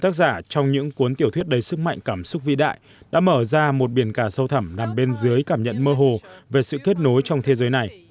tác giả trong những cuốn tiểu thuyết đầy sức mạnh cảm xúc vĩ đại đã mở ra một biển cà sâu thẳm nằm bên dưới cảm nhận mơ hồ về sự kết nối trong thế giới này